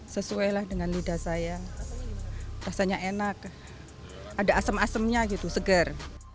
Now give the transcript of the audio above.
sesuai lah dengan lidah saya rasanya enak ada asem asemnya gitu seger